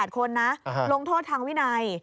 ๘คนนะลงโทษทางวินัย